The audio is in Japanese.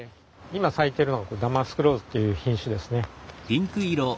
今咲いてるのはダマスクローズという品種ですね。